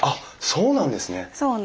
そうなんです。